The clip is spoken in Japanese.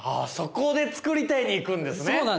そこで作りたいにいくんですね。